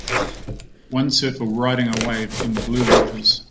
One surfer riding a wave in the blue waters.